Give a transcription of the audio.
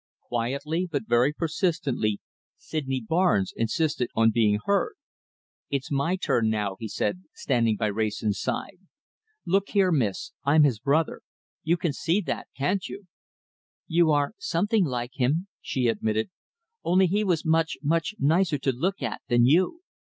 Quietly but very persistently Sydney Barnes insisted on being heard. "It's my turn now," he said, standing by Wrayson's side. "Look here, Miss, I'm his brother. You can see that, can't you?" "You are something like him," she admitted, "only he was much, much nicer to look at than you."